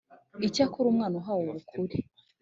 Icyakora umwana uhawe ubukure